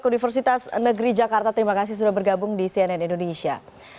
di cnn indonesia